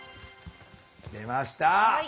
出ました！